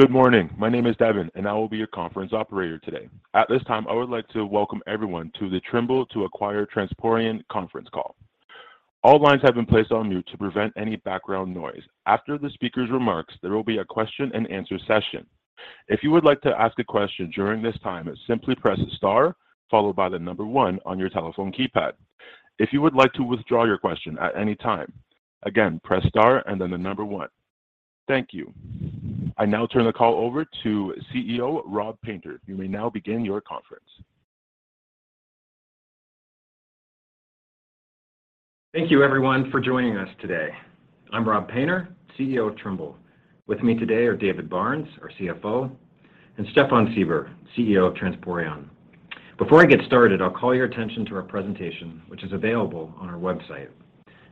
Good morning. My name is Devin, and I will be your conference operator today. At this time, I would like to welcome everyone to the Trimble to Acquire Transporeon conference call. All lines have been placed on mute to prevent any background noise. After the speaker's remarks, there will be a question-and-answer session. If you would like to ask a question during this time, simply press star followed by the number one on your telephone keypad. If you would like to withdraw your question at any time, again, press star and then the number one. Thank you. I now turn the call over to CEO Rob Painter. You may now begin your conference. Thank you everyone for joining us today. I'm Rob Painter, CEO of Trimble. With me today are David Barnes, our CFO, and Stephan Sieber, CEO of Transporeon. Before I get started, I'll call your attention to our presentation, which is available on our website.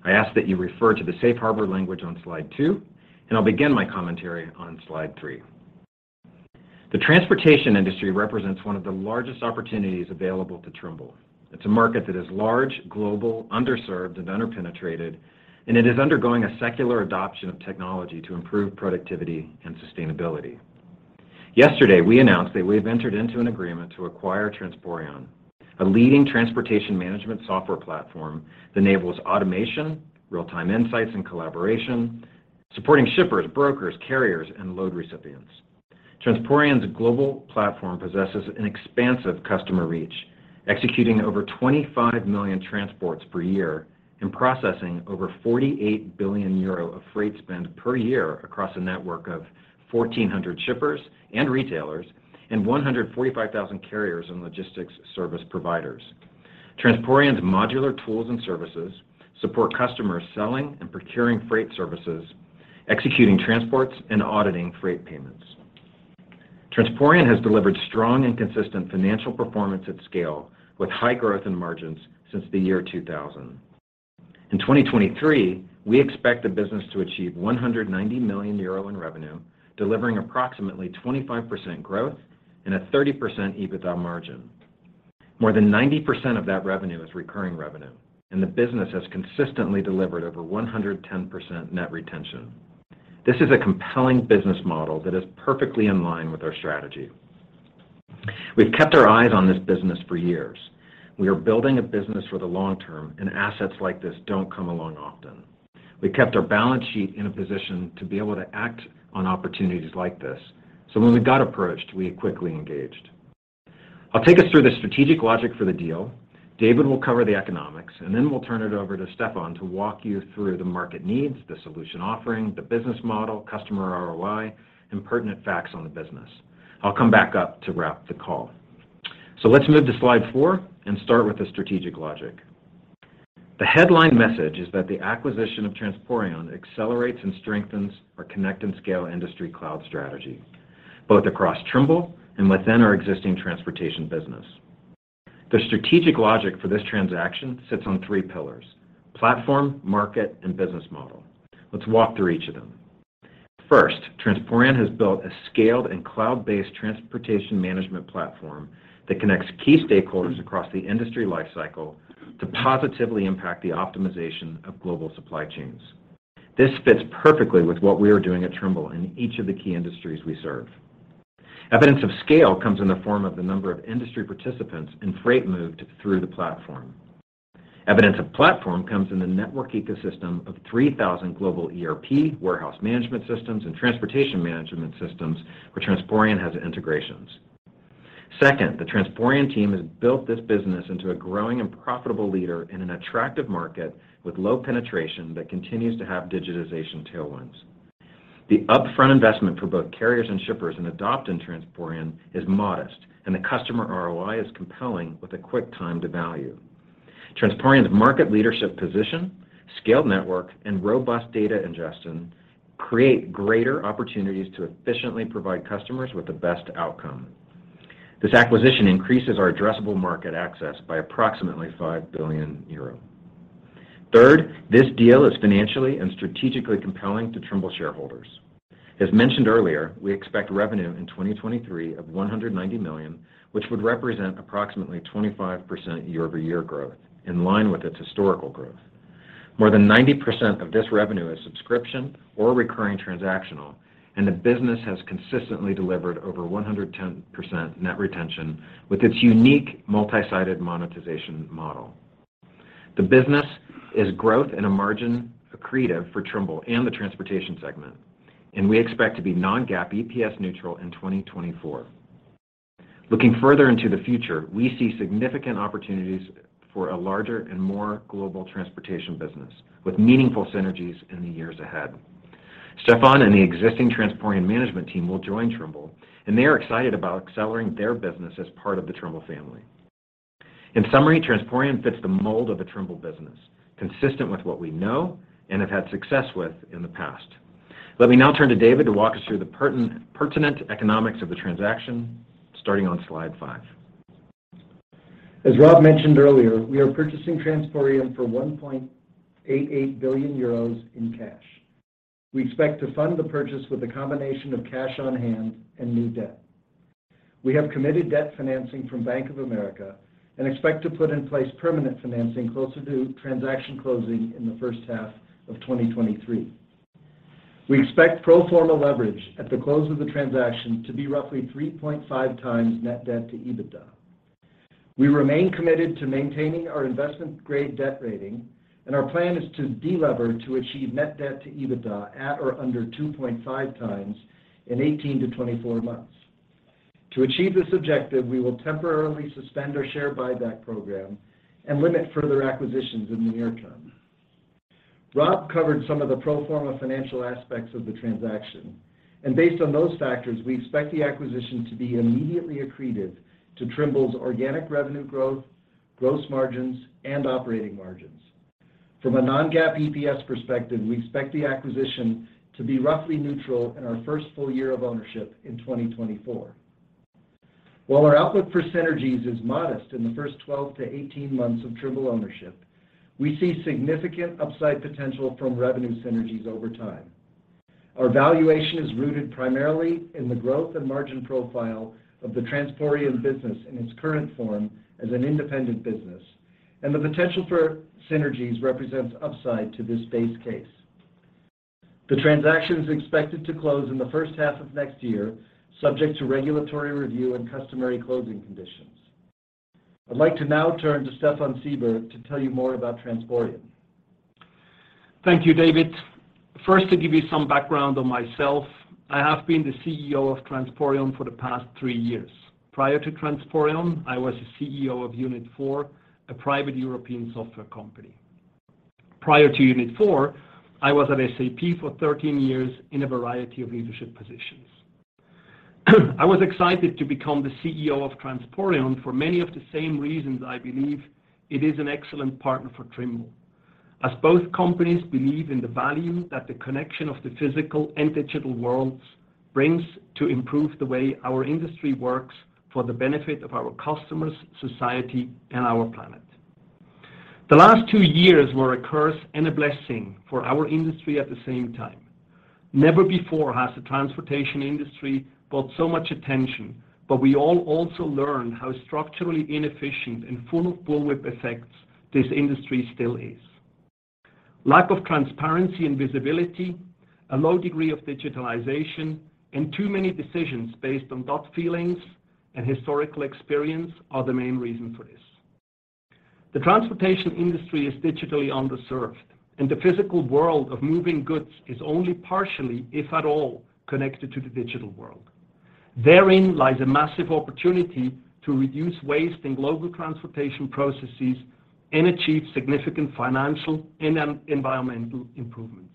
I ask that you refer to the safe harbor language on slide two, and I'll begin my commentary on slide three. The transportation industry represents one of the largest opportunities available to Trimble. It's a market that is large, global, underserved, and under-penetrated, and it is undergoing a secular adoption of technology to improve productivity and sustainability. Yesterday, we announced that we have entered into an agreement to acquire Transporeon, a leading transportation management software platform that enables automation, real-time insights and collaboration, supporting shippers, brokers, carriers and load recipients. Transporeon's global platform possesses an expansive customer reach, executing over 25 million transports per year and processing over 48 billion euro of freight spend per year across a network of 1,400 shippers and retailers and 145,000 carriers and logistics service providers. Transporeon's modular tools and services support customers selling and procuring freight services, executing transports, and auditing freight payments. Transporeon has delivered strong and consistent financial performance at scale with high growth in margins since the year 2000. In 2023, we expect the business to achieve 190 million euro in revenue, delivering approximately 25% growth and a 30% EBITDA margin. More than 90% of that revenue is recurring revenue, and the business has consistently delivered over 110% net retention. This is a compelling business model that is perfectly in line with our strategy. We've kept our eyes on this business for years. We are building a business for the long term. Assets like this don't come along often. We kept our balance sheet in a position to be able to act on opportunities like this. When we got approached, we quickly engaged. I'll take us through the strategic logic for the deal. David will cover the economics, and then we'll turn it over to Stephan to walk you through the market needs, the solution offering, the business model, customer ROI, and pertinent facts on the business. I'll come back up to wrap the call. Let's move to slide four and start with the strategic logic. The headline message is that the acquisition of Transporeon accelerates and strengthens our Connect and Scale industry cloud strategy, both across Trimble and within our existing transportation business. The strategic logic for this transaction sits on three pillars: platform, market, and business model. Let's walk through each of them. First, Transporeon has built a scaled and cloud-based transportation management platform that connects key stakeholders across the industry life cycle to positively impact the optimization of global supply chains. This fits perfectly with what we are doing at Trimble in each of the key industries we serve. Evidence of scale comes in the form of the number of industry participants and freight moved through the platform. Evidence of platform comes in the network ecosystem of 3,000 global ERP, warehouse management systems, and transportation management systems where Transporeon has integrations. Second, the Transporeon team has built this business into a growing and profitable leader in an attractive market with low penetration that continues to have digitization tailwinds. The upfront investment for both carriers and shippers in adopting Transporeon is modest, and the customer ROI is compelling with a quick time to value. Transporeon's market leadership position, scaled network, and robust data ingestion create greater opportunities to efficiently provide customers with the best outcome. This acquisition increases our addressable market access by approximately 5 billion euro. Third, this deal is financially and strategically compelling to Trimble shareholders. As mentioned earlier, we expect revenue in 2023 of $190 million, which would represent approximately 25% year-over-year growth in line with its historical growth. More than 90% of this revenue is subscription or recurring transactional, and the business has consistently delivered over 110% net retention with its unique multi-sided monetization model. The business is growth in a margin accretive for Trimble and the transportation segment. We expect to be non-GAAP EPS neutral in 2024. Looking further into the future, we see significant opportunities for a larger and more global transportation business with meaningful synergies in the years ahead. Stephan and the existing Transporeon management team will join Trimble. They are excited about accelerating their business as part of the Trimble family. In summary, Transporeon fits the mold of a Trimble business, consistent with what we know and have had success with in the past. Let me now turn to David to walk us through the pertinent economics of the transaction, starting on slide five. As Rob mentioned earlier, we are purchasing Transporeon for 1.88 billion euros in cash. We expect to fund the purchase with a combination of cash on hand and new debt. We have committed debt financing from Bank of America and expect to put in place permanent financing closer to transaction closing in the first half of 2023. We expect pro forma leverage at the close of the transaction to be roughly 3.5x net debt to EBITDA. We remain committed to maintaining our investment-grade debt rating. Our plan is to delever to achieve net debt to EBITDA at or under 2.5x in 18 to 24 months. To achieve this objective, we will temporarily suspend our share buyback program and limit further acquisitions in the near term. Rob covered some of the pro forma financial aspects of the transaction. Based on those factors, we expect the acquisition to be immediately accretive to Trimble's organic revenue growth, gross margins, and operating margins. From a non-GAAP EPS perspective, we expect the acquisition to be roughly neutral in our first full year of ownership in 2024. While our outlook for synergies is modest in the first 12 to 18 months of Trimble ownership, we see significant upside potential from revenue synergies over time. Our valuation is rooted primarily in the growth and margin profile of the Transporeon business in its current form as an independent business, and the potential for synergies represents upside to this base case. The transaction is expected to close in the first half of next year, subject to regulatory review and customary closing conditions. I'd like to now turn to Stephan Sieber to tell you more about Transporeon. Thank you, David. First, to give you some background on myself, I have been the CEO of Transporeon for the past three years. Prior to Transporeon, I was the CEO of Unit4, a private European software company. Prior to Unit4, I was at SAP for 13 years in a variety of leadership positions. I was excited to become the CEO of Transporeon for many of the same reasons I believe it is an excellent partner for Trimble. As both companies believe in the value that the connection of the physical and digital worlds brings to improve the way our industry works for the benefit of our customers, society, and our planet. The last two years were a curse and a blessing for our industry at the same time. Never before has the transportation industry brought so much attention, but we all also learned how structurally inefficient and full of bullwhip effects this industry still is. Lack of transparency and visibility, a low degree of digitalization, and too many decisions based on gut feelings and historical experience are the main reason for this. The transportation industry is digitally underserved, and the physical world of moving goods is only partially, if at all, connected to the digital world. Therein lies a massive opportunity to reduce waste in global transportation processes and achieve significant financial and environmental improvements.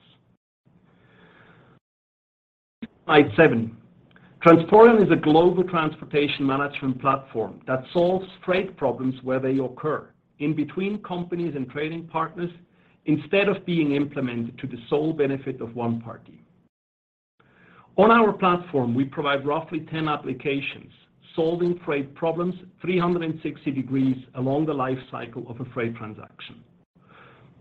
Slide seven. Transporeon is a global transportation management platform that solves freight problems where they occur, in between companies and trading partners, instead of being implemented to the sole benefit of one party. On our platform, we provide roughly 10 applications, solving freight problems 360 degrees along the life cycle of a freight transaction.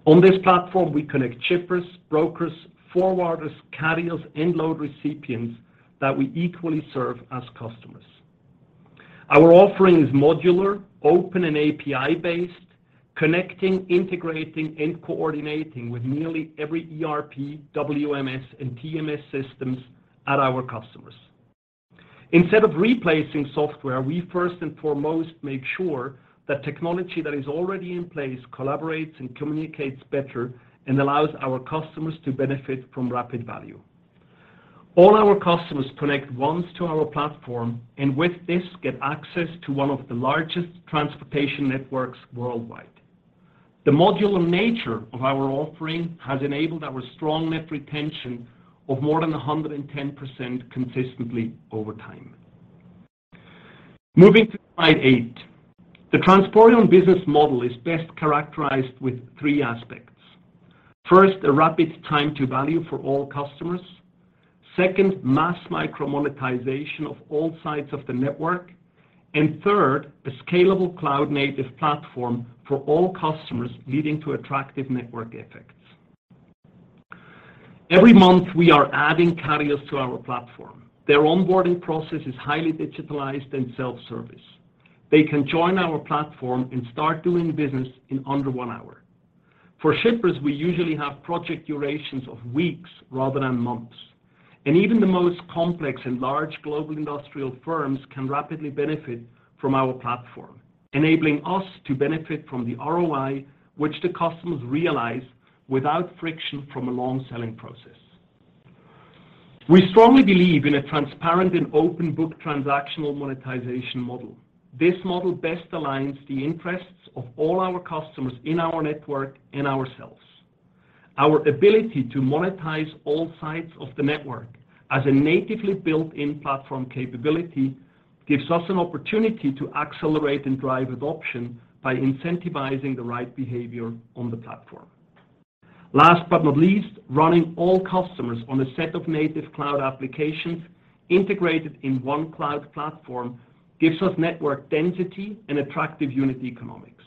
On this platform, we connect shippers, brokers, forwarders, carriers, and load recipients that we equally serve as customers. Our offering is modular, open and API-based, connecting, integrating, and coordinating with nearly every ERP, WMS, and TMS systems at our customers. Instead of replacing software, we first and foremost make sure that technology that is already in place collaborates and communicates better and allows our customers to benefit from rapid value. All our customers connect once to our platform, and with this, get access to one of the largest transportation networks worldwide. The modular nature of our offering has enabled our strong net retention of more than 110% consistently over time. Moving to slide eight. The Transporeon business model is best characterized with three aspects. First, a rapid time to value for all customers. Second, mass micro monetization of all sides of the network. Third, a scalable cloud-native platform for all customers, leading to attractive network effects. Every month, we are adding carriers to our platform. Their onboarding process is highly digitalized and self-service. They can join our platform and start doing business in under one hour. For shippers, we usually have project durations of weeks rather than months. Even the most complex and large global industrial firms can rapidly benefit from our platform, enabling us to benefit from the ROI which the customers realize without friction from a long selling process. We strongly believe in a transparent and open-book transactional monetization model. This model best aligns the interests of all our customers in our network and ourselves. Our ability to monetize all sides of the network as a natively built-in platform capability gives us an opportunity to accelerate and drive adoption by incentivizing the right behavior on the platform. Last but not least, running all customers on a set of native cloud applications integrated in one cloud platform gives us network density and attractive unit economics.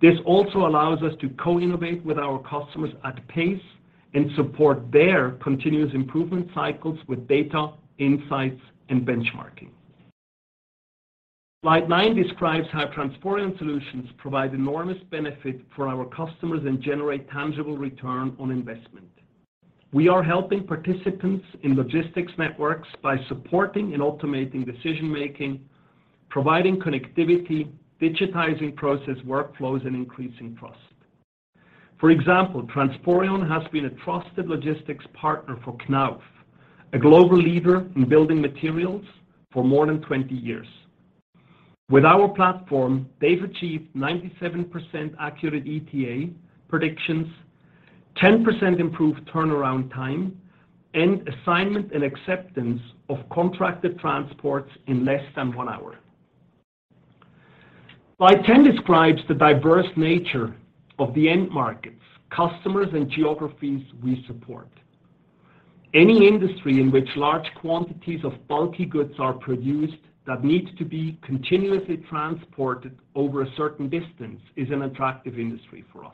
This also allows us to co-innovate with our customers at pace and support their continuous improvement cycles with data, insights, and benchmarking. Slide nine describes how Transporeon solutions provide enormous benefit for our customers and generate tangible return on investment. We are helping participants in logistics networks by supporting and automating decision-making, providing connectivity, digitizing process workflows, and increasing trust. For example, Transporeon has been a trusted logistics partner for Knauf, a global leader in building materials, for more than 20 years. With our platform, they've achieved 97% accurate ETA predictions, 10% improved turnaround time, and assignment and acceptance of contracted transports in less than one hour. Slide 10 describes the diverse nature of the end markets, customers, and geographies we support. Any industry in which large quantities of bulky goods are produced that need to be continuously transported over a certain distance is an attractive industry for us.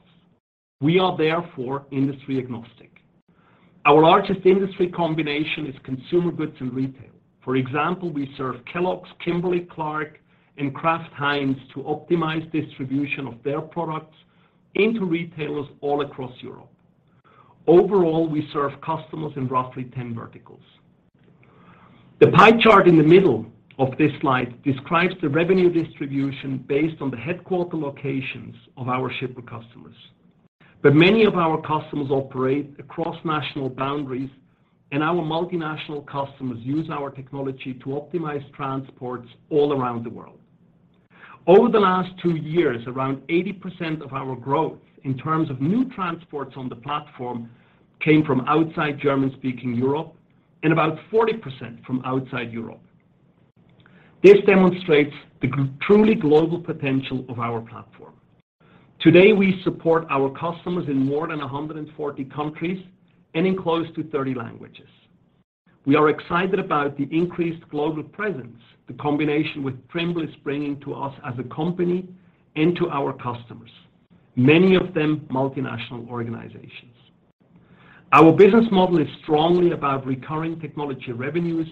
We are therefore industry agnostic. Our largest industry combination is consumer goods and retail. For example, we serve Kellogg's, Kimberly-Clark, and Kraft Heinz to optimize distribution of their products into retailers all across Europe. Overall, we serve customers in roughly 10 verticals. The pie chart in the middle of this slide describes the revenue distribution based on the headquarter locations of our shipper customers. Many of our customers operate across national boundaries, and our multinational customers use our technology to optimize transports all around the world. Over the last two years, around 80% of our growth in terms of new transports on the platform came from outside German-speaking Europe and about 40% from outside Europe. This demonstrates truly global potential of our platform. Today, we support our customers in more than 140 countries and in close to 30 languages. We are excited about the increased global presence the combination with Trimble is bringing to us as a company and to our customers, many of them multinational organizations. Our business model is strongly about recurring technology revenues.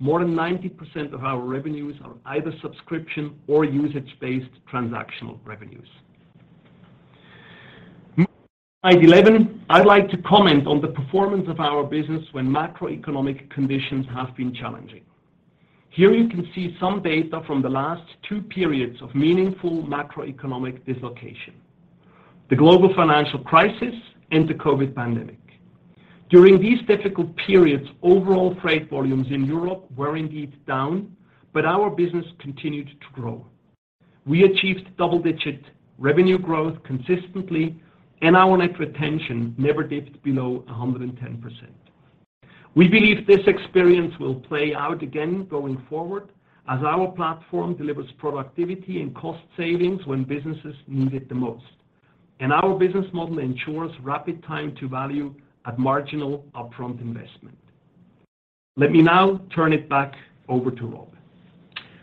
More than 90% of our revenues are either subscription or usage-based transactional revenues. Slide 11, I'd like to comment on the performance of our business when macroeconomic conditions have been challenging. Here you can see some data from the last two periods of meaningful macroeconomic dislocation, the global financial crisis and the COVID pandemic. During these difficult periods, overall freight volumes in Europe were indeed down, but our business continued to grow. We achieved double-digit revenue growth consistently, and our net retention never dipped below 110%. We believe this experience will play out again going forward as our platform delivers productivity and cost savings when businesses need it the most. Our business model ensures rapid time to value at marginal upfront investment. Let me now turn it back over to Rob.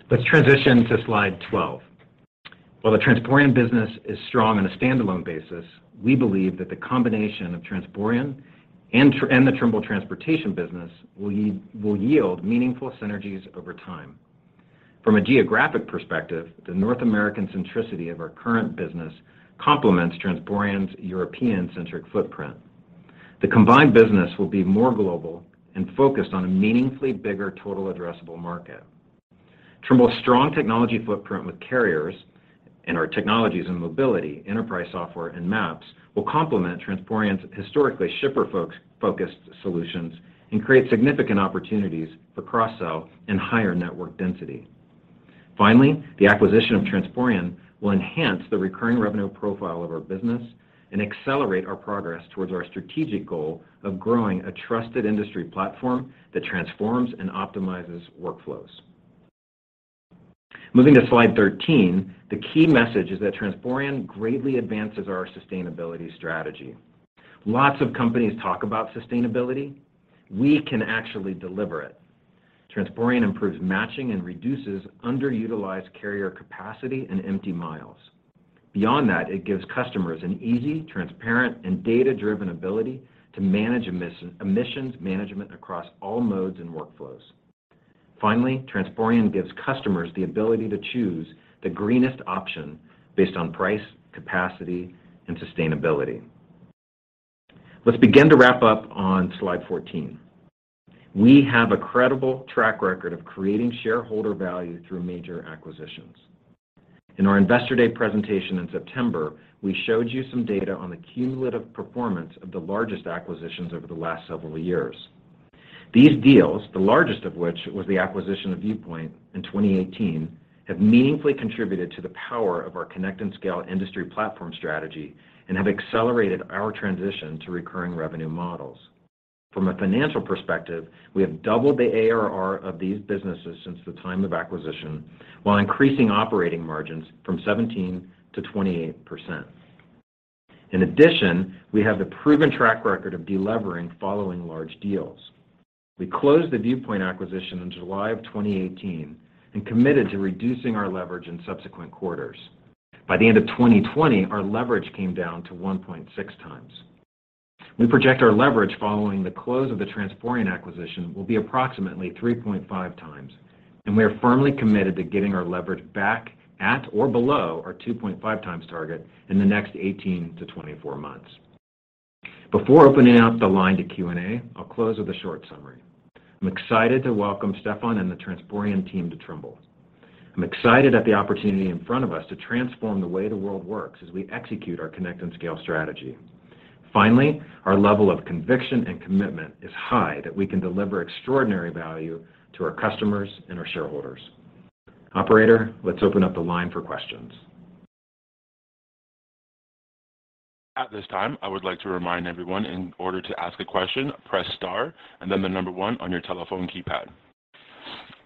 Let's transition to slide 12. While the Transporeon business is strong on a standalone basis, we believe that the combination of Transporeon and the Trimble transportation business will yield meaningful synergies over time. From a geographic perspective, the North American centricity of our current business complements Transporeon's European-centric footprint. The combined business will be more global and focused on a meaningfully bigger total addressable market. Trimble's strong technology footprint with carriers and our technologies in mobility, enterprise software, and maps will complement Transporeon's historically shipper focused solutions and create significant opportunities for cross-sell and higher network density. Finally, the acquisition of Transporeon will enhance the recurring revenue profile of our business and accelerate our progress towards our strategic goal of growing a trusted industry platform that transforms and optimizes workflows. Moving to slide 13, the key message is that Transporeon greatly advances our sustainability strategy. Lots of companies talk about sustainability. We can actually deliver it. Transporeon improves matching and reduces underutilized carrier capacity and empty miles. Beyond that, it gives customers an easy, transparent, and data-driven ability to manage emissions management across all modes and workflows. Finally, Transporeon gives customers the ability to choose the greenest option based on price, capacity, and sustainability. Let's begin to wrap up on slide 14. We have a credible track record of creating shareholder value through major acquisitions. In our Investor Day presentation in September, we showed you some data on the cumulative performance of the largest acquisitions over the last several years. These deals, the largest of which was the acquisition of Viewpoint in 2018, have meaningfully contributed to the power of our Connect and Scale industry platform strategy and have accelerated our transition to recurring revenue models. From a financial perspective, we have doubled the ARR of these businesses since the time of acquisition, while increasing operating margins from 17% to 28%. We have the proven track record of de-levering following large deals. We closed the Viewpoint acquisition in July of 2018 and committed to reducing our leverage in subsequent quarters. By the end of 2020, our leverage came down to 1.6x. We project our leverage following the close of the Transporeon acquisition will be approximately 3.5x, and we are firmly committed to getting our leverage back at or below our 2.5x target in the next 18 to 24 months. Before opening up the line to Q&A, I'll close with a short summary. I'm excited to welcome Stephan and the Transporeon team to Trimble. I'm excited at the opportunity in front of us to transform the way the world works as we execute our Connect and Scale strategy. Our level of conviction and commitment is high that we can deliver extraordinary value to our customers and our shareholders. Operator, let's open up the line for questions. At this time, I would like to remind everyone in order to ask a question, press star and then the number one on your telephone keypad.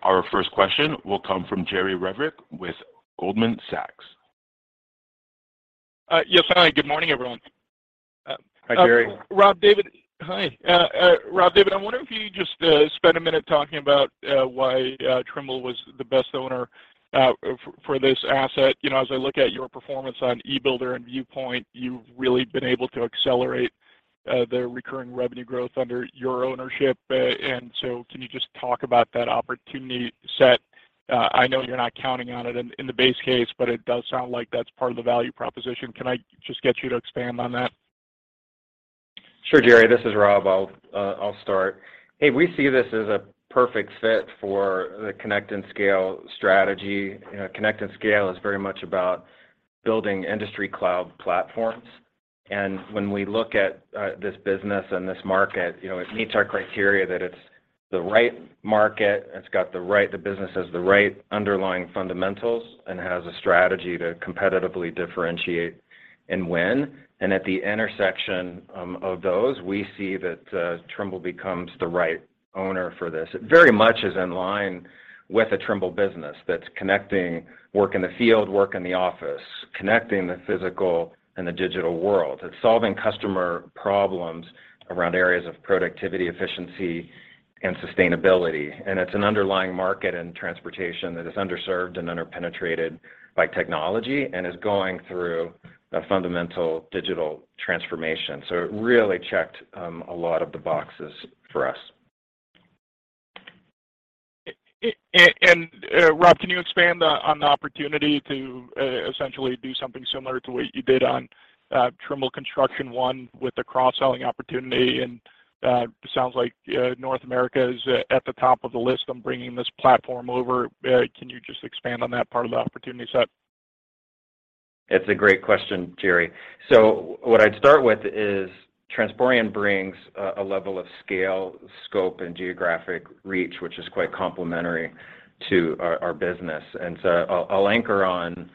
Our first question will come from Jerry Revich with Goldman Sachs. Yes. Hi, good morning, everyone. Hi, Jerry. Rob, David. Hi. Rob, David, I wonder if you just spend a minute talking about why Trimble was the best owner for this asset. You know, as I look at your performance on e-Builder and Viewpoint, you've really been able to accelerate the recurring revenue growth under your ownership. Can you just talk about that opportunity set? I know you're not counting on it in the base case, but it does sound like that's part of the value proposition. Can I just get you to expand on that? Sure, Jerry. This is Rob. I'll start. Hey, we see this as a perfect fit for the Connect and Scale strategy. You know, Connect and Scale is very much about building industry cloud platforms. When we look at this business and this market, you know, it meets our criteria that it's the right market, the business has the right underlying fundamentals and has a strategy to competitively differentiate and win. At the intersection of those, we see that Trimble becomes the right owner for this. It very much is in line with a Trimble business that's connecting work in the field, work in the office, connecting the physical and the digital world. It's solving customer problems around areas of productivity, efficiency, and sustainability. It's an underlying market in transportation that is underserved and underpenetrated by technology and is going through a fundamental digital transformation. It really checked a lot of the boxes for us. Rob, can you expand on the opportunity to essentially do something similar to what you did on Trimble Construction One with the cross-selling opportunity? It sounds like North America is at the top of the list on bringing this platform over. Can you just expand on that part of the opportunity set? It's a great question, Jerry. What I'd start with is Transporeon brings a level of scale, scope, and geographic reach, which is quite complementary to our business. I'll anchor on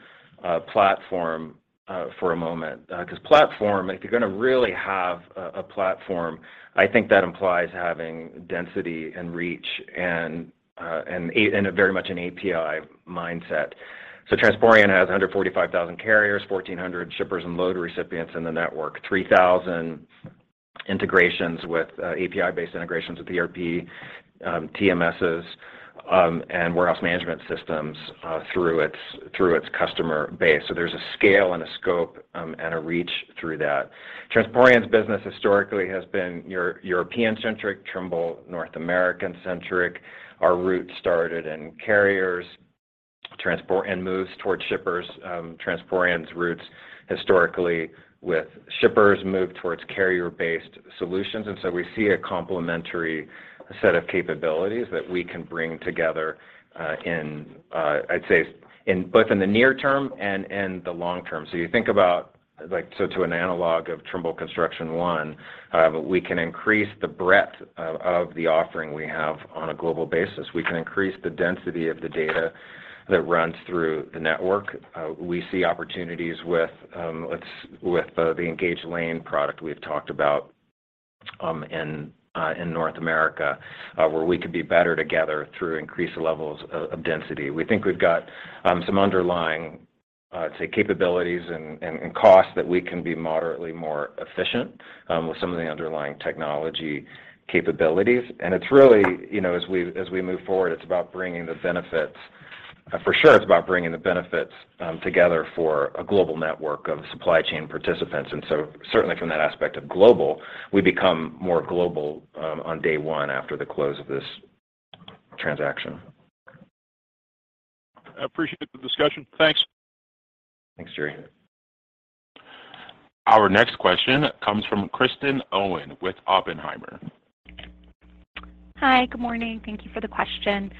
platform for a moment. 'Cause platform, if you're gonna really have a platform, I think that implies having density and reach and very much an API mindset. Transporeon has 145,000 carriers, 1,400 shippers and load recipients in the network, 3,000 integrations with API-based integrations with ERP, TMSs, and warehouse management systems through its customer base. There's a scale and a scope and a reach through that. Transporeon's business historically has been European centric, Trimble, North American centric. Our roots started in carriers. Transporeon moves towards shippers. Transporeon's roots historically with shippers move towards carrier-based solutions. We see a complementary set of capabilities that we can bring together, I'd say in both in the near term and in the long term. You think about like, to an analog of Trimble Construction One, we can increase the breadth of the offering we have on a global basis. We can increase the density of the data that runs through the network. We see opportunities with the Engage Lane product we've talked about, in North America, where we could be better together through increased levels of density. We think we've got some underlying, say, capabilities and costs that we can be moderately more efficient, with some of the underlying technology capabilities. It's really, you know, as we move forward, it's about bringing the benefits. For sure, it's about bringing the benefits together for a global network of supply chain participants. Certainly from that aspect of global, we become more global on day one after the close of this transaction. I appreciate the discussion. Thanks. Thanks, Jerry. Our next question comes from Kristen Owen with Oppenheimer. Hi. Good morning. Thank you for the question.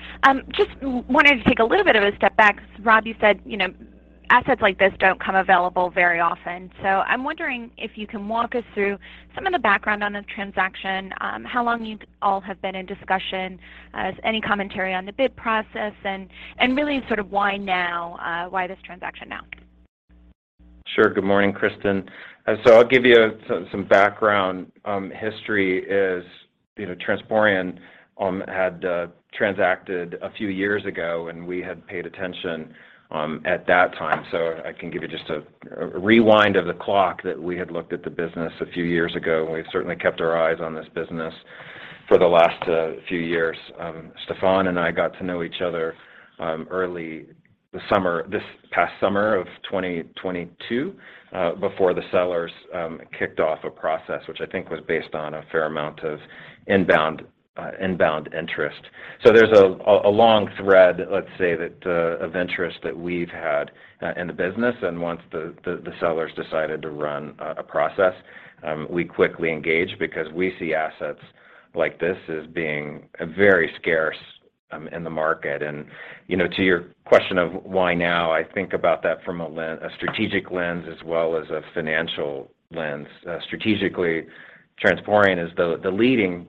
Just wanted to take a little bit of a step back 'cause Rob, you said, you know, assets like this don't come available very often. So I'm wondering if you can walk us through some of the background on the transaction, how long you all have been in discussion, any commentary on the bid process and really sort of why now, why this transaction now? Sure. Good morning, Kristen. I'll give you some background. History is you know, Transporeon had transacted a few years ago, and we had paid attention at that time. I can give you just a rewind of the clock that we had looked at the business a few years ago, and we've certainly kept our eyes on this business for the last few years. Stephan and I got to know each other early this summer, this past summer of 2022, before the sellers kicked off a process, which I think was based on a fair amount of inbound interest. There's a long thread, let's say, that of interest that we've had in the business, and once the sellers decided to run a process, we quickly engaged because we see assets like this as being very scarce in the market. You know, to your question of why now, I think about that from a strategic lens as well as a financial lens. Strategically, Transporeon is the leading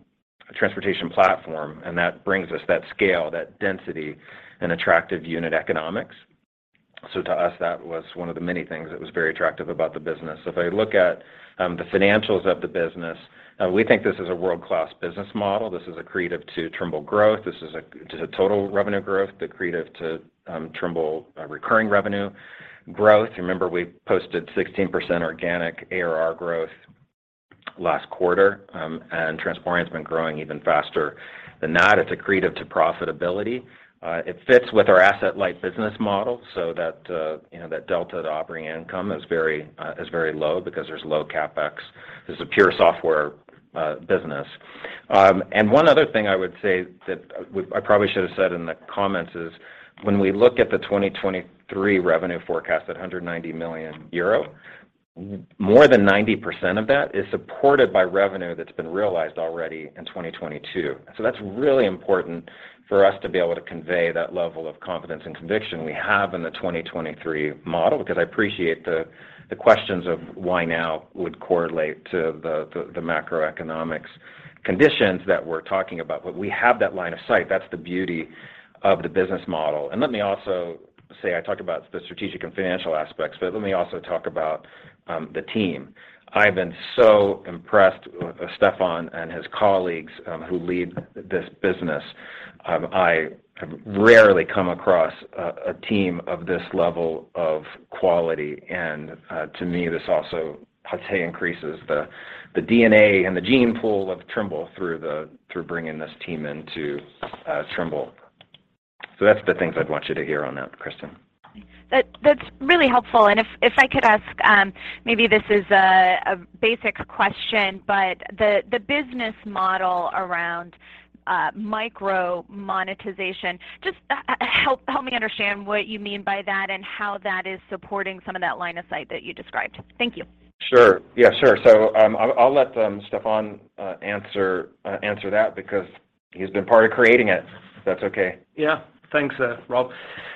transportation platform, and that brings us that scale, that density and attractive unit economics. To us, that was one of the many things that was very attractive about the business. If I look at the financials of the business, we think this is a world-class business model. This is accretive to Trimble growth. This is to total revenue growth, accretive to Trimble recurring revenue growth. Remember, we posted 16% organic ARR growth last quarter. Transporeon's been growing even faster than that. It's accretive to profitability. It fits with our asset-light business model so that, you know, that delta to operating income is very low because there's low CapEx. This is a pure software business. One other thing I would say that I probably should have said in the comments is when we look at the 2023 revenue forecast, that 190 million euro, more than 90% of that is supported by revenue that's been realized already in 2022. That's really important for us to be able to convey that level of confidence and conviction we have in the 2023 model, because I appreciate the questions of why now would correlate to the macroeconomics conditions that we're talking about. We have that line of sight. That's the beauty of the business model. Let me also say, I talked about the strategic and financial aspects, but let me also talk about the team. I've been so impressed with Stephan and his colleagues who lead this business. I have rarely come across a team of this level of quality and to me, this also potentially increases the DNA and the gene pool of Trimble through bringing this team into Trimble. That's the things I'd want you to hear on that, Kristen. That's really helpful. If I could ask, maybe this is a basic question, but the business model around micro monetization, just help me understand what you mean by that and how that is supporting some of that line of sight that you described? Thank you. Sure. Yeah, sure. I'll let Stephan answer that because he's been part of creating it, if that's okay. Thanks, Rob.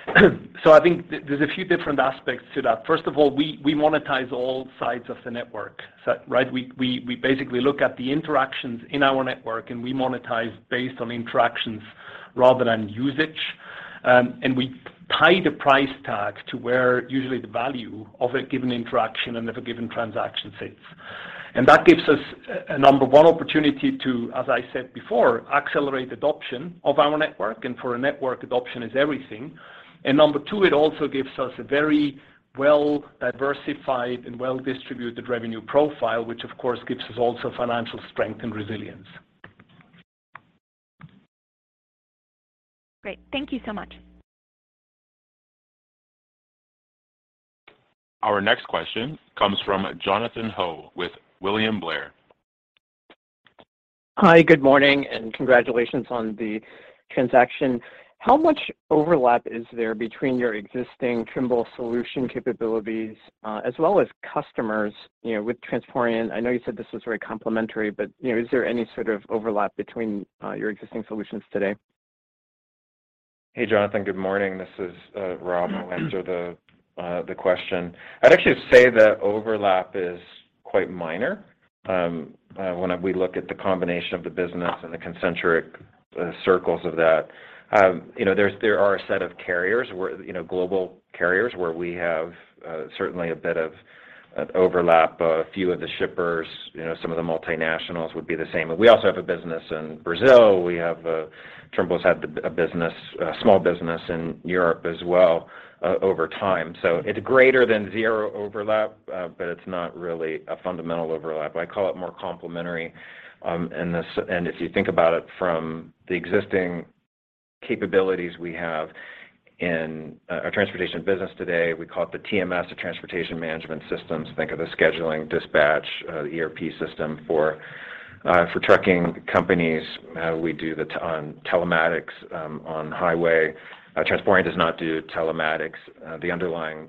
I think there's a few different aspects to that. First of all, we monetize all sides of the network. Right? We basically look at the interactions in our network, and we monetize based on interactions rather than usage. We tie the price tag to where usually the value of a given interaction and of a given transaction sits. That gives us a number one opportunity to, as I said before, accelerate adoption of our network. For a network, adoption is everything. Number two, it also gives us a very well-diversified and well-distributed revenue profile, which of course gives us also financial strength and resilience. Great. Thank you so much. Our next question comes from Jonathan Ho with William Blair. Hi. Good morning, and congratulations on the transaction. How much overlap is there between your existing Trimble solution capabilities, as well as customers, you know, with Transporeon? I know you said this was very complementary, but, you know, is there any sort of overlap between your existing solutions today? Hey, Jonathan. Good morning. This is Rob. Mm-hmm. I'll answer the question. I'd actually say the overlap is quite minor when we look at the combination of the business and the concentric circles of that. You know, there are a set of carriers where, you know, global carriers where we have certainly a bit of overlap. A few of the shippers, you know, some of the multinationals would be the same. We also have a business in Brazil. We have Trimble's had a business, a small business in Europe as well over time. It's greater than zero overlap, but it's not really a fundamental overlap. I call it more complementary. If you think about it from the existing capabilities we have in our transportation business today, we call it the TMS, the Transportation Management Systems. Think of the scheduling dispatch, ERP system for trucking companies. We do on telematics on highway. Transporeon does not do telematics. The underlying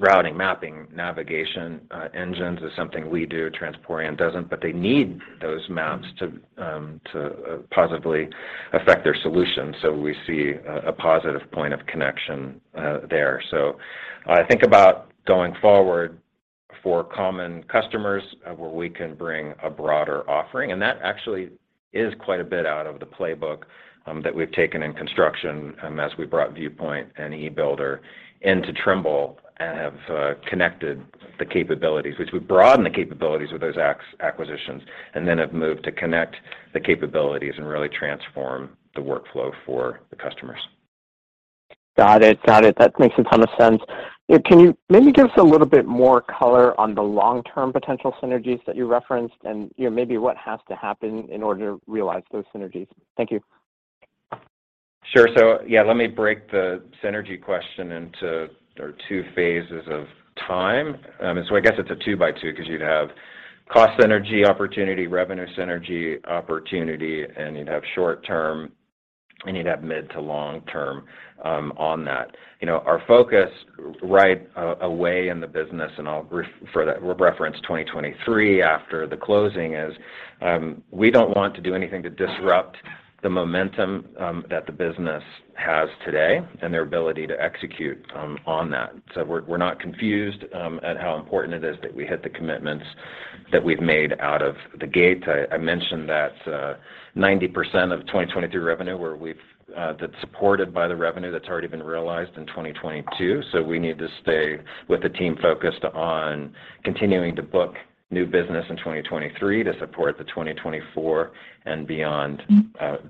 routing, mapping, navigation, engines is something we do, Transporeon doesn't, but they need those maps to positively affect their solution. We see a positive point of connection, there. Think about going forward for common customers, where we can bring a broader offering, and that actually is quite a bit out of the playbook that we've taken in construction, as we brought Viewpoint and e-Builder into Trimble and have connected the capabilities. We broaden the capabilities with those acquisitions and then have moved to connect the capabilities and really transform the workflow for the customers. Got it. That makes a ton of sense. Can you maybe give us a little bit more color on the long-term potential synergies that you referenced and, you know, maybe what has to happen in order to realize those synergies? Thank you. Sure. Yeah, let me break the synergy question into two phases of time. I guess it's a two by two because you'd have cost synergy opportunity, revenue synergy opportunity, and you'd have short term, and you'd have mid to long term on that. You know, our focus right away in the business, and I'll reference 2023 after the closing, is we don't want to do anything to disrupt the momentum that the business has today and their ability to execute on that. We're not confused at how important it is that we hit the commitments that we've made out of the gate. I mentioned that 90% of 2023 revenue where we've that's supported by the revenue that's already been realized in 2022. We need to stay with the team focused on continuing to book new business in 2023 to support the 2024 and beyond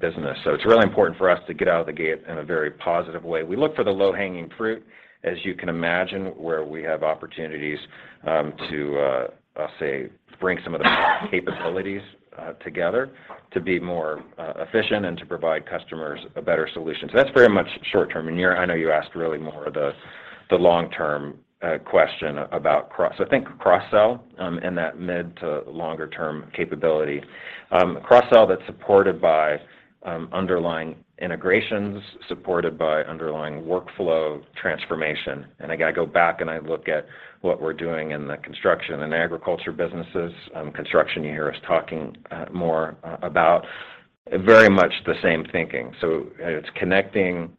business. It's really important for us to get out of the gate in a very positive way. We look for the low-hanging fruit, as you can imagine, where we have opportunities to say, bring some of the capabilities together to be more efficient and to provide customers a better solution. That's very much short term. I know you asked really more of the long-term question about I think cross-sell, and that mid to longer term capability. Cross-sell that's supported by underlying integrations, supported by underlying workflow transformation. Again, I go back and I look at what we're doing in the construction and agriculture businesses. Construction, you hear us talking more about very much the same thinking. It's connecting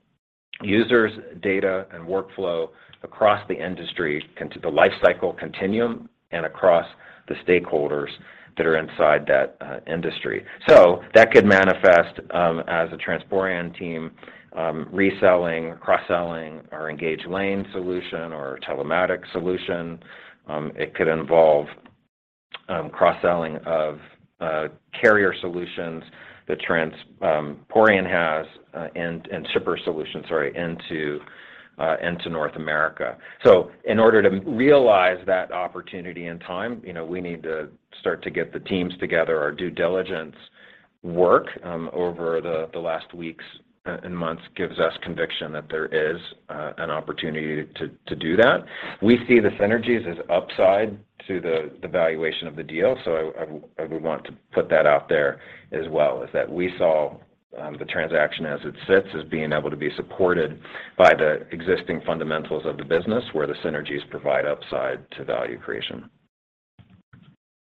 users, data, and workflow across the industry into the lifecycle continuum and across the stakeholders that are inside that industry. That could manifest as a Transporeon team reselling, cross-selling our Engage Lane solution or our Telematics solution. It could involve cross-selling of carrier solutions that Transporeon has and shipper solutions, sorry, into North America. In order to realize that opportunity and time, you know, we need to start to get the teams together. Our due diligence work over the last weeks and months gives us conviction that there is an opportunity to do that. We see the synergies as upside to the valuation of the deal. I would want to put that out there as well, is that we saw the transaction as it sits, as being able to be supported by the existing fundamentals of the business where the synergies provide upside to value creation.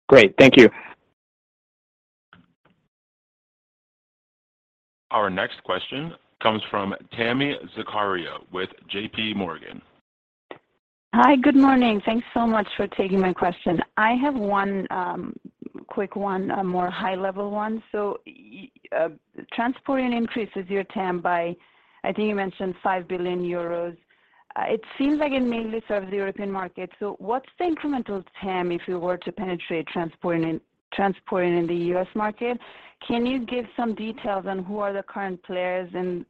Great. Thank you. Our next question comes from Tami Zakaria with J.P. Morgan. Hi. Good morning. Thanks so much for taking my question. I have one quick one, a more high-level one. Transporeon increases your TAM by, I think you mentioned 5 billion euros. It seems like it mainly serves the European market. What's the incremental TAM if you were to penetrate Transporeon in the U.S. market? Can you give some details on who are the current players in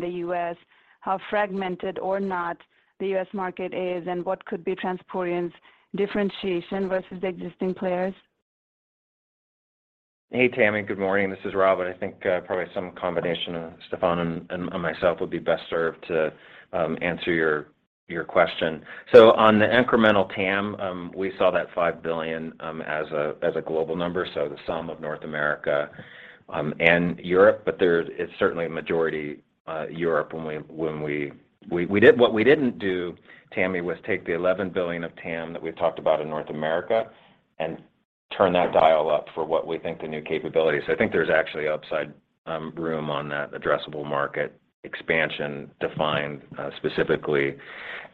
the U.S., how fragmented or not the U.S. market is, and what could be Transporeon's differentiation versus the existing players? Hey, Tami. Good morning. This is Rob. I think probably some combination of Stephan and myself would be best served to answer your question. On the incremental TAM, we saw that $5 billion as a global number, so the sum of North America and Europe. It's certainly a majority Europe. What we didn't do, Tami, was take the $11 billion of TAM that we've talked about in North America and turn that dial up for what we think the new capability is. I think there's actually upside room on that addressable market expansion defined specifically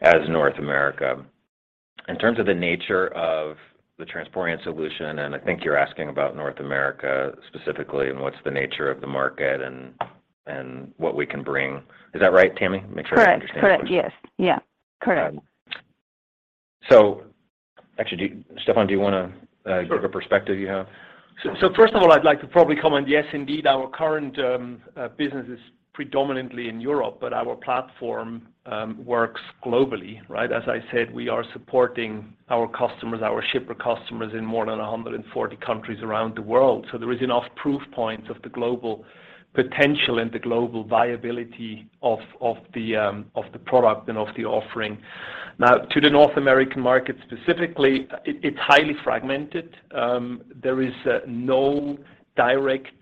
as North America. In terms of the nature of the Transporeon solution, I think you're asking about North America specifically and what's the nature of the market and what we can bring. Is that right, Tami? Make sure I understand the question. Correct. Yes. Yeah. Correct. Actually, Stephan, do you wanna give a perspective you have? Sure. First of all, I'd like to probably comment, yes, indeed, our current business is predominantly in Europe, but our platform works globally, right? As I said, we are supporting our customers, our shipper customers in more than 140 countries around the world. There is enough proof points of the global potential and the global viability of the product and of the offering. Now, to the North American market specifically, it's highly fragmented. There is no direct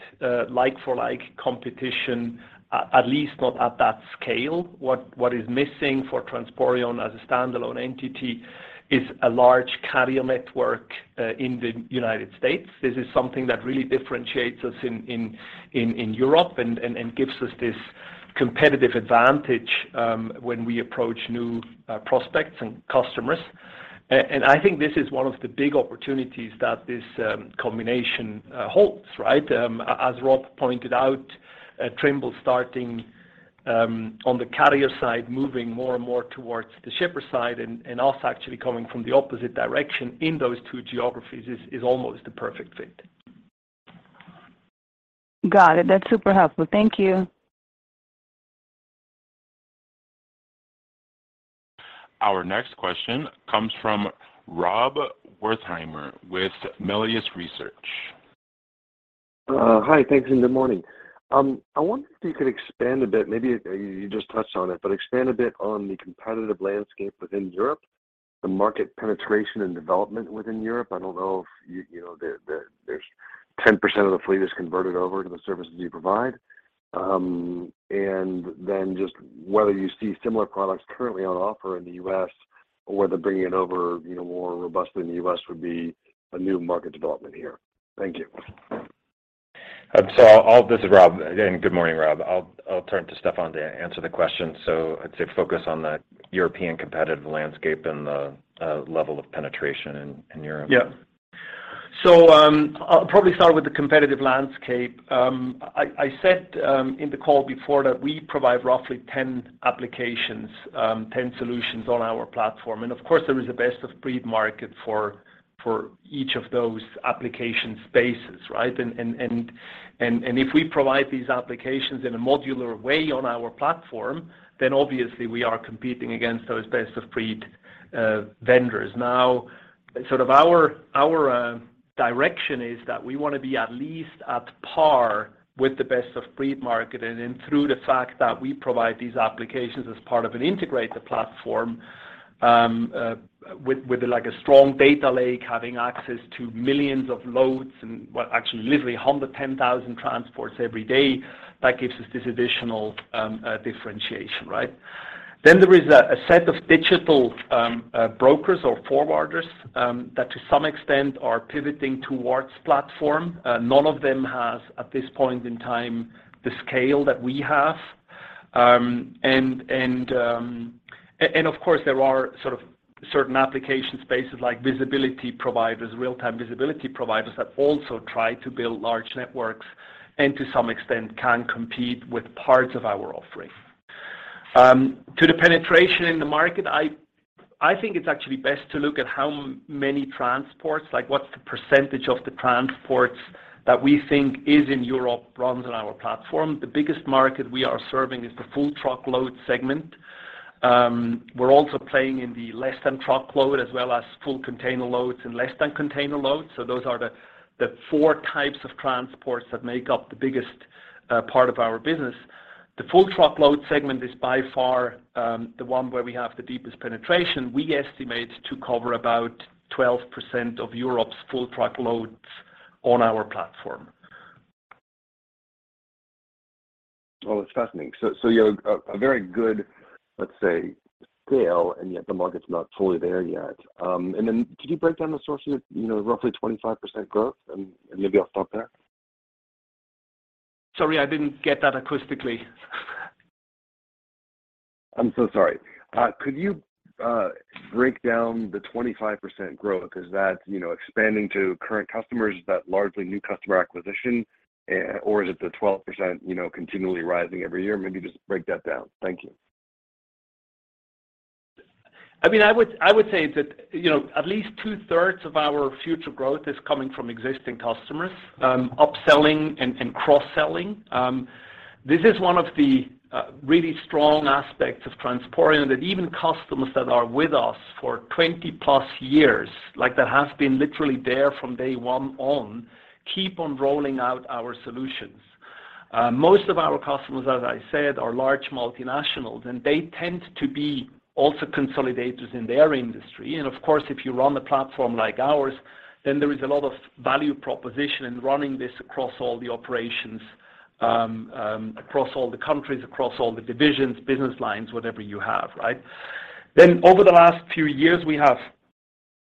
like for like competition, at least not at that scale. What is missing for Transporeon as a standalone entity is a large carrier network in the United States. This is something that really differentiates us in Europe and gives us this competitive advantage when we approach new prospects and customers. I think this is one of the big opportunities that this combination holds, right? As Rob pointed out, Trimble starting on the carrier side, moving more and more towards the shipper side and us actually coming from the opposite direction in those two geographies is almost a perfect fit. Got it. That's super helpful. Thank you. Our next question comes from Rob Wertheimer with Melius Research. Hi. Thanks, and good morning. I wonder if you could expand a bit, maybe you just touched on it, but expand a bit on the competitive landscape within Europe, the market penetration and development within Europe. I don't know if you know, there's 10% of the fleet is converted over to the services you provide. Then just whether you see similar products currently on offer in the U.S. or whether bringing it over, you know, more robustly in the U.S. would be a new market development here. Thank you. This is Rob. Good morning, Rob. I'll turn to Stephan to answer the question. I'd say focus on the European competitive landscape and the level of penetration in Europe. Yeah. I'll probably start with the competitive landscape. I said in the call before that we provide roughly 10 applications, 10 solutions on our platform. Of course, there is a best-of-breed market for each of those application spaces, right? If we provide these applications in a modular way on our platform, then obviously we are competing against those best-of-breed vendors. Sort of our direction is that we want to be at least at par with the best-of-breed market. Through the fact that we provide these applications as part of an integrated platform, with like a strong data lake, having access to millions of loads and, well, actually literally 110,000 transports every day, that gives us this additional differentiation, right? There is a set of digital brokers or forwarders that to some extent are pivoting towards platform. None of them has, at this point in time, the scale that we have. Of course, there are sort of certain application spaces like visibility providers, real-time visibility providers that also try to build large networks and to some extent can compete with parts of our offering. To the penetration in the market, I think it's actually best to look at how many transports, like what's the percentage of the transports that we think is in Europe runs on our platform. The biggest market we are serving is the full truckload segment. We're also playing in the less than truckload, as well as full container loads and less than container loads. Those are the four types of transports that make up the biggest part of our business. The full truckload segment is by far the one where we have the deepest penetration. We estimate to cover about 12% of Europe's full truckloads on our platform. Well, it's fascinating. you have a very good, let's say, scale, and yet the market's not totally there yet. could you break down the sources, you know, roughly 25% growth, and maybe I'll stop there? Sorry, I didn't get that acoustically. I'm so sorry. Could you break down the 25% growth? Is that, you know, expanding to current customers? Is that largely new customer acquisition? Is it the 12%, you know, continually rising every year? Maybe just break that down. Thank you. I mean, I would say that, you know, at least 2/3 of our future growth is coming from existing customers, upselling and cross-selling. This is one of the really strong aspects of Transporeon, that even customers that are with us for 20+ years, like that have been literally there from day one on, keep on rolling out our solutions. Most of our customers, as I said, are large multinationals, and they tend to be also consolidators in their industry. Of course, if you run a platform like ours, then there is a lot of value proposition in running this across all the operations, across all the countries, across all the divisions, business lines, whatever you have, right? Over the last few years, we have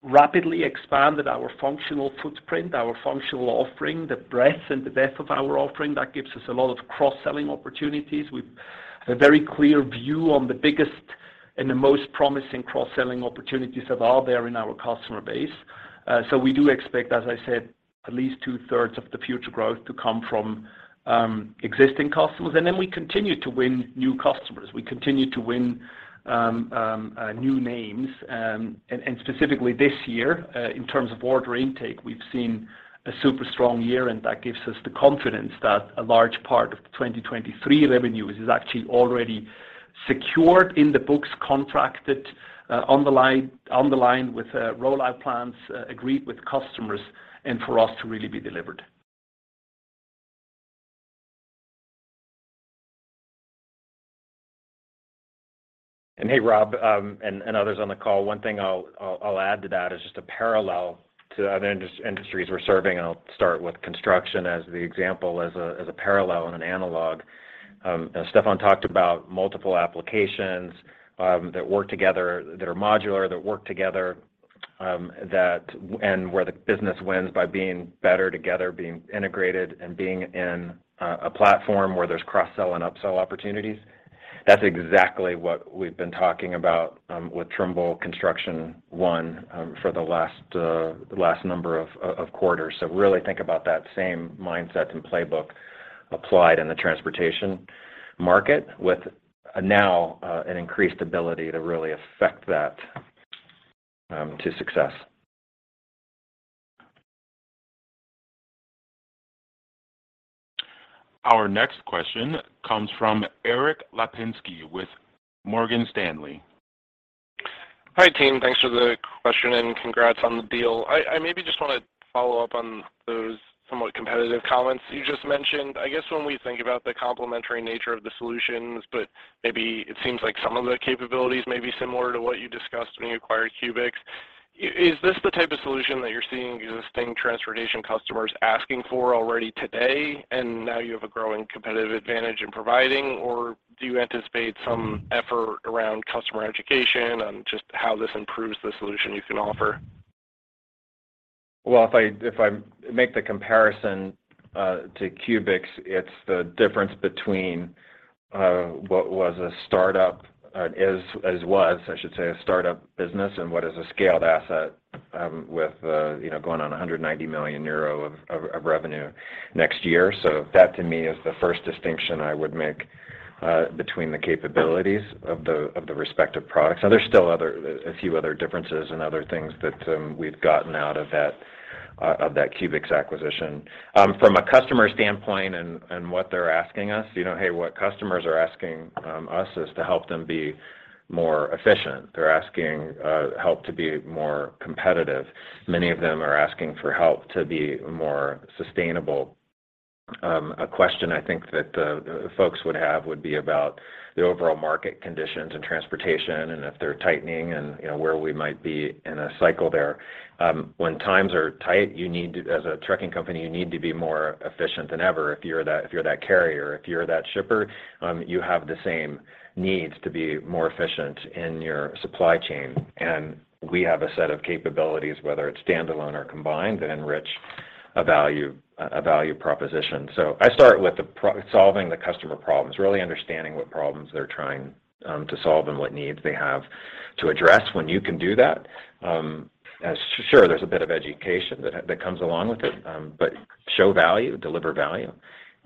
rapidly expanded our functional footprint, our functional offering, the breadth and the depth of our offering. That gives us a lot of cross-selling opportunities. We've a very clear view on the biggest and the most promising cross-selling opportunities that are there in our customer base. So we do expect, as I said, at least two-thirds of the future growth to come from existing customers. We continue to win new customers. We continue to win new names. Specifically this year, in terms of order intake, we've seen a super strong year, and that gives us the confidence that a large part of the 2023 revenue is actually already secured in the books, contracted, on the line with rollout plans, agreed with customers and for us to really be delivered. Hey, Rob, and others on the call, one thing I'll add to that is just a parallel to other industries we're serving, and I'll start with construction as the example, as a parallel and an analog. As Stephan talked about multiple applications that work together, that are modular, that work together, and where the business wins by being better together, being integrated, and being in a platform where there's cross-sell and upsell opportunities. That's exactly what we've been talking about with Trimble Construction One for the last number of quarters. Really think about that same mindset and playbook applied in the transportation market with now an increased ability to really affect that to success. Our next question comes from Erik Lapinski with Morgan Stanley. Hi, team. Thanks for the question, and congrats on the deal. I maybe just wanna follow up on those somewhat competitive comments you just mentioned. I guess when we think about the complementary nature of the solutions, but maybe it seems like some of the capabilities may be similar to what you discussed when you acquired Kuebix. Is this the type of solution that you're seeing existing transportation customers asking for already today, and now you have a growing competitive advantage in providing? Do you anticipate some effort around customer education on just how this improves the solution you can offer? If I, if I make the comparison to Kuebix, it's the difference between what was a startup, as was, I should say, a startup business and what is a scaled asset, with, you know, going on 190 million euro of revenue next year. That to me is the first distinction I would make between the capabilities of the respective products. There's still a few other differences and other things that we've gotten out of that Kuebix acquisition. From a customer standpoint and what they're asking us, you know, hey, what customers are asking us is to help them be more efficient. They're asking help to be more competitive. Many of them are asking for help to be more sustainable. A question I think that the folks would have would be about the overall market conditions and transportation and if they're tightening and, you know, where we might be in a cycle there. When times are tight, as a trucking company, you need to be more efficient than ever if you're that carrier. If you're that shipper, you have the same needs to be more efficient in your supply chain. We have a set of capabilities, whether it's standalone or combined, that enrich a value proposition. I start with solving the customer problems, really understanding what problems they're trying to solve and what needs they have to address. When you can do that, sure, there's a bit of education that comes along with it, but show value, deliver value.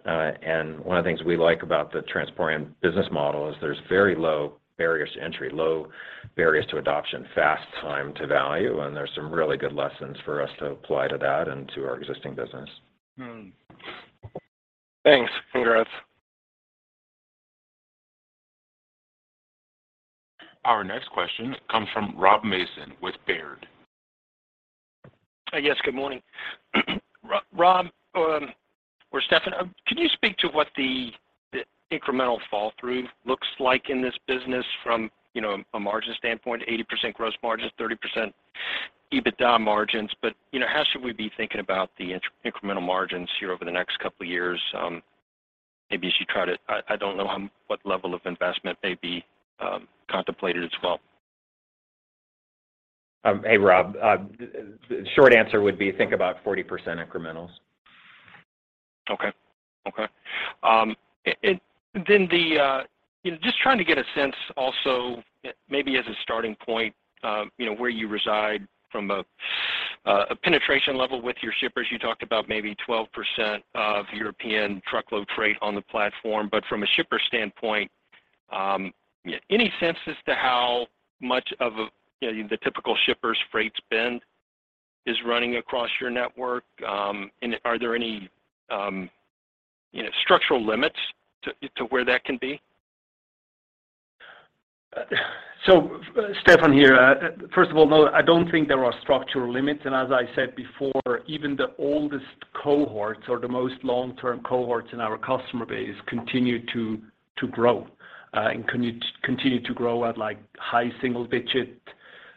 One of the things we like about the Transporeon business model is there's very low barriers to entry, low barriers to adoption, fast time to value, and there's some really good lessons for us to apply to that and to our existing business. Thanks. Congrats. Our next question comes from Rob Mason with Baird. Yes, good morning. Rob, or Stephan, can you speak to what the incremental fall through looks like in this business from, you know, a margin standpoint, 80% gross margins, 30% EBITDA margins. You know, how should we be thinking about the incremental margins here over the next couple of years? Maybe as you try to I don't know, what level of investment may be contemplated as well. Hey, Rob. The short answer would be think about 40% incrementals. Okay. Okay. Then the, you know, just trying to get a sense also maybe as a starting point, you know, where you reside from a penetration level with your shippers. You talked about maybe 12% of European truckload freight on the platform. From a shipper standpoint, any sense as to how much of a, you know, the typical shipper's freight spend is running across your network? Are there any, you know, structural limits to where that can be? Stephan here. First of all, no, I don't think there are structural limits. As I said before, even the oldest cohorts or the most long-term cohorts in our customer base continue to grow and continue to grow at like high single digits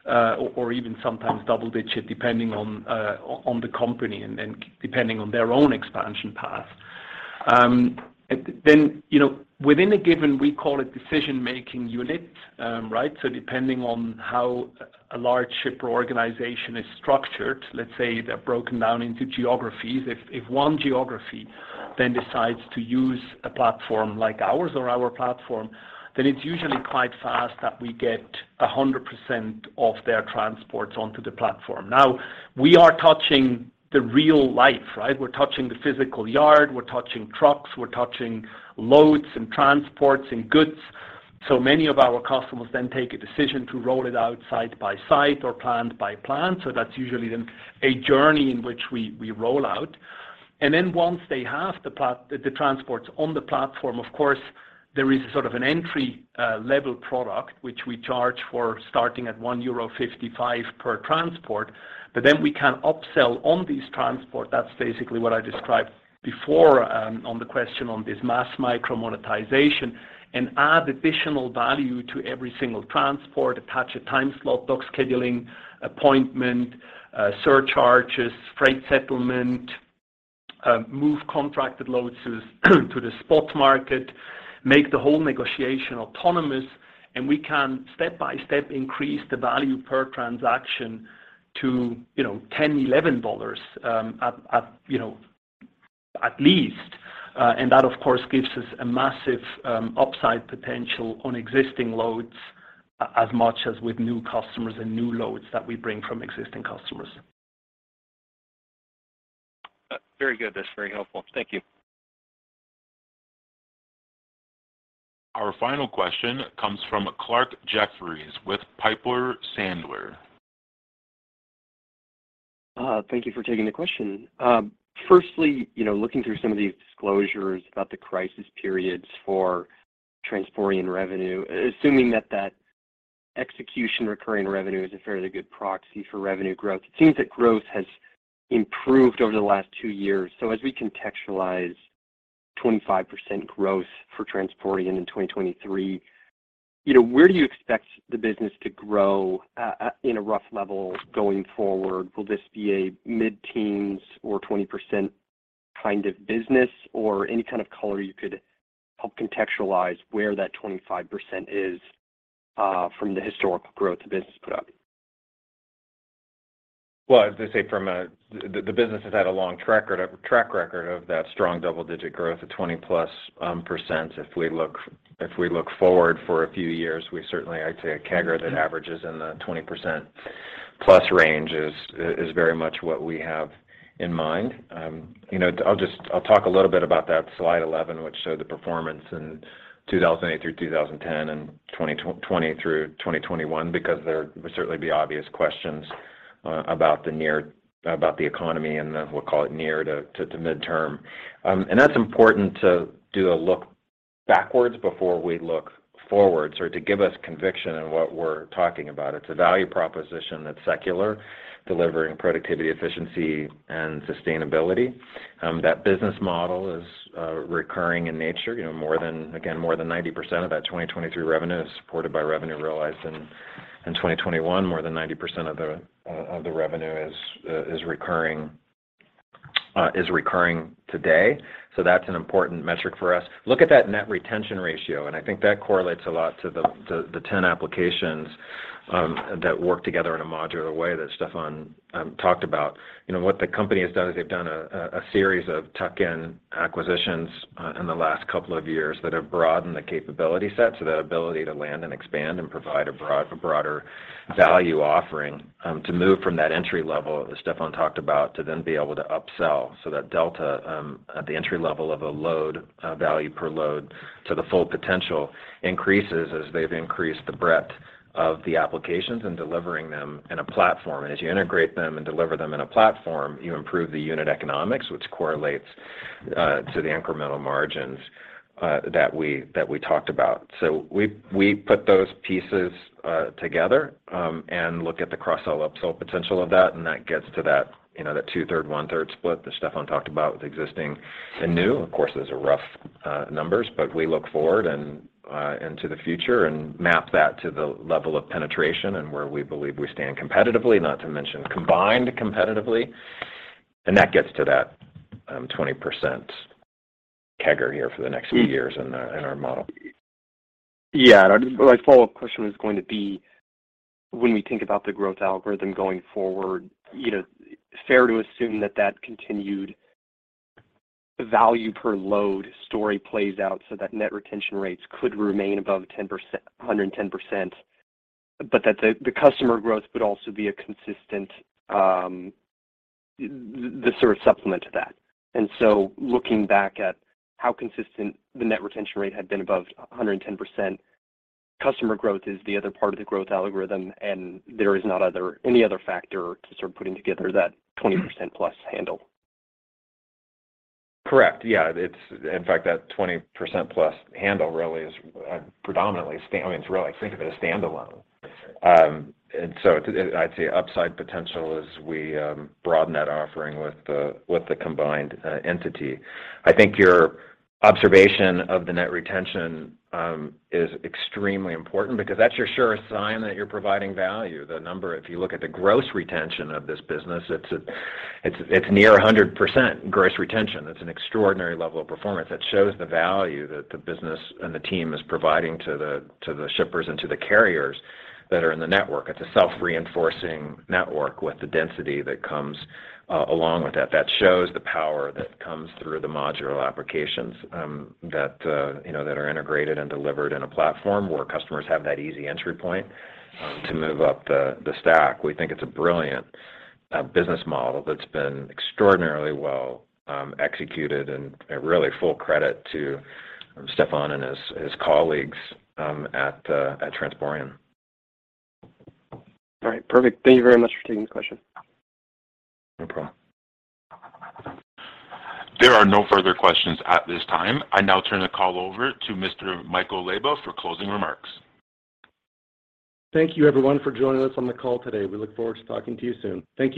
or even sometimes double digits, depending on the company and depending on their own expansion path. You know, within a given, we call it decision-making unit, right? Depending on how a large shipper organization is structured, let's say they're broken down into geographies. If one geography then decides to use a platform like ours or our platform, then it's usually quite fast that we get 100% of their transports onto the platform. We are touching the real life, right? We're touching the physical yard, we're touching trucks, we're touching loads and transports and goods. Many of our customers then take a decision to roll it out site by site or plant by plant. That's usually then a journey in which we roll out. Once they have the transports on the platform, of course, there is sort of an entry level product which we charge for starting at 1.55 euro per transport. We can upsell on these transport. That's basically what I described before, on the question on this mass micro monetization and add additional value to every single transport, attach a time slot, book scheduling, appointment, surcharges, freight settlement, move contracted loads to the spot market, make the whole negotiation autonomous. We can step by step increase the value per transaction to, you know, $10-$11 at least. That of course gives us a massive upside potential on existing loads as much as with new customers and new loads that we bring from existing customers. Very good. That's very helpful. Thank you. Our final question comes from Clarke Jeffries with Piper Sandler. Thank you for taking the question. Firstly, you know, looking through some of these disclosures about the crisis periods for Transporeon revenue, assuming that execution recurring revenue is a fairly good proxy for revenue growth, it seems that growth has improved over the last two years. As we contextualize 25% growth for Transporeon in 2023, you know, where do you expect the business to grow, in a rough level going forward? Will this be a mid-teens or 20% kind of business or any kind of color you could help contextualize where that 25% is from the historical growth the business put up? Well, as I say, from the business has had a long track record of that strong double-digit growth of 20+%. If we look forward for a few years, we certainly, I'd say a CAGR that averages in the 20%+ range is very much what we have in mind. You know, I'll talk a little bit about that slide 11, which showed the performance in 2008-2010 and 2020-2021 because there would certainly be obvious questions about the economy in the, we'll call it near to midterm. That's important to do a look backwards before we look forwards or to give us conviction in what we're talking about. It's a value proposition that's secular, delivering productivity, efficiency and sustainability. That business model is recurring in nature, you know, more than, again, more than 90% of that 2023 revenue is supported by revenue realized in 2021, more than 90% of the revenue is recurring today. That's an important metric for us. Look at that net retention ratio, and I think that correlates a lot to the, to the 10 applications, that work together in a modular way that Stephan talked about. You know, what the company has done is they've done a series of tuck-in acquisitions in the last couple of years that have broadened the capability set, so the ability to land and expand and provide a broader value offering to move from that entry level that Stephan talked about to then be able to upsell. That delta at the entry level of a load value per load to the full potential increases as they've increased the breadth of the applications and delivering them in a platform. As you integrate them and deliver them in a platform, you improve the unit economics, which correlates to the incremental margins that we talked about. We put those pieces together and look at the cross-sell, upsell potential of that, and that gets to that, you know, that 2/3, 1/3 split that Stephan talked about with existing and new. Of course, those are rough numbers, but we look forward and into the future and map that to the level of penetration and where we believe we stand competitively, not to mention combined competitively. And that gets to that 20% CAGR here for the next few years in our model. Yeah. My follow-up question was going to be when we think about the growth algorithm going forward, you know, fair to assume that that continued value per load story plays out so that net retention rates could remain above 110%, but that the customer growth would also be a consistent, this sort of supplement to that. Looking back at how consistent the net retention rate had been above 110%, customer growth is the other part of the growth algorithm, and there is not any other factor to start putting together that 20%+ handle. Correct. Yeah. In fact, that 20%+ handle really is predominantly I mean, it's really, think of it as standalone. I'd say upside potential as we broaden that offering with the combined entity. I think your observation of the net retention is extremely important because that's your surest sign that you're providing value. If you look at the gross retention of this business, it's near 100% gross retention. That's an extraordinary level of performance that shows the value that the business and the team is providing to the shippers and to the carriers that are in the network. It's a self-reinforcing network with the density that comes along with that. That shows the power that comes through the modular applications, that, you know, that are integrated and delivered in a platform where customers have that easy entry point, to move up the stack. We think it's a brilliant business model that's been extraordinarily well executed and a really full credit to Stephan and his colleagues at Transporeon. All right. Perfect. Thank you very much for taking the question. No problem. There are no further questions at this time. I now turn the call over to Mr. Michael Leyba for closing remarks. Thank you everyone for joining us on the call today. We look forward to talking to you soon. Thank you.